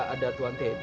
ada tuan teddy